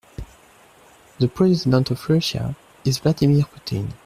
The president of Russia is Vladimir Putin.